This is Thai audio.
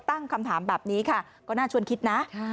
ตั้งคำถามแบบนี้ค่ะก็น่าชวนคิดนะ